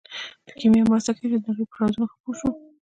کیمیا مرسته کوي چې د نړۍ په رازونو ښه پوه شو.